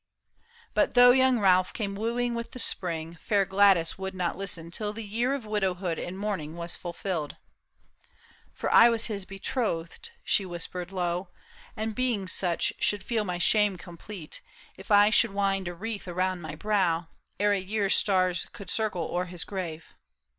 But though young Ralph came wooing with the spring, Fair Gladys would not listen till the year Of widowhood and mourning was fulfilled. ^' For I was his betrothed," she whispered lov/, " And being such, should feel my shame complete, If I should wind a wreath around my brow Ere a year's stars could circle o'er his grave."